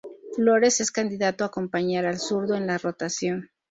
Flores es candidato a acompañar al zurdo en la rotación.